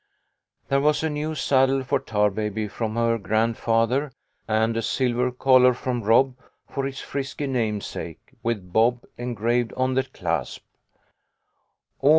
There was a new A HAPPY CHRISTMAS. 22$ saddle for Tarbaby from her grandfather, and a silver collar from Rob for his frisky namesake, with " Bob " engraved on the clasp.